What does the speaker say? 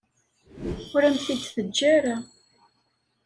Ur am-t-id-teǧǧa ara.